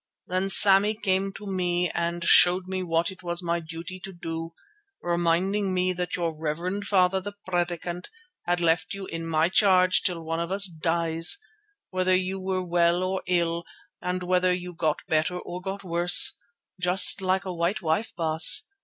Then Sammy came to me and showed me what it was my duty to do, reminding me that your reverend father, the Predikant, had left you in my charge till one of us dies, whether you were well or ill and whether you got better or got worse—just like a white wife, Baas.